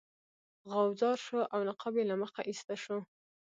غوځار شو او نقاب یې له مخه ایسته شو.